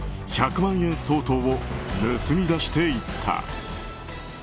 １００万円相当を盗み出していった。